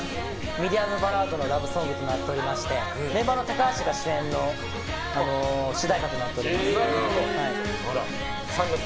ミディアムバラードのラブソングとなっておりましてメンバーの高橋が主演の主題歌となっております。